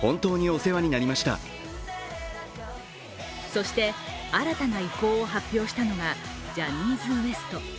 そして、新たな意向を発表したのがジャニーズＷＥＳＴ。